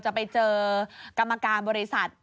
จะไปเจอกรรมการบริษัท